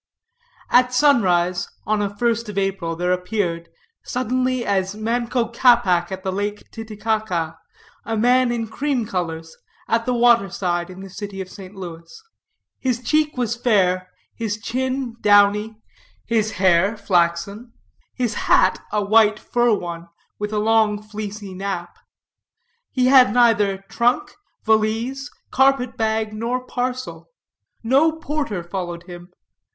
At sunrise on a first of April, there appeared, suddenly as Manco Capac at the lake Titicaca, a man in cream colors, at the water side in the city of St. Louis. His cheek was fair, his chin downy, his hair flaxen, his hat a white fur one, with a long fleecy nap. He had neither trunk, valise, carpet bag, nor parcel. No porter followed him.